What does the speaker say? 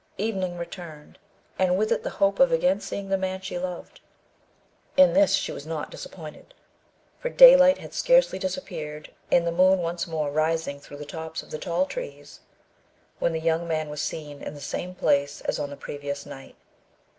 Evening returned, and with it the hope of again seeing the man she loved. In this she was not disappointed; for daylight had scarcely disappeared, and the moon once more rising through the tops of the tall trees, when the young man was seen in the same place as on the previous night.